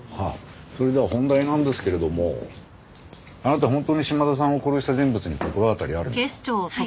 それでは本題なんですけれどもあなた本当に島田さんを殺した人物に心当たりあるんですか？